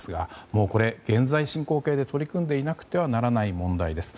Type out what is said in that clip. もうこれ現在進行形で取り組んでいなくてはならない問題です。